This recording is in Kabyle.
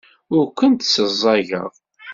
Ur kent-sseɛẓageɣ.